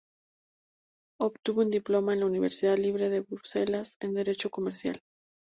Obtuvo un diploma en la Universidad Libre de Bruselas en derecho comercial.